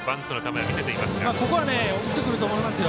ここは送ってくると思いますよ。